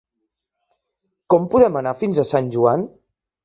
Com podem anar fins a Sant Joan?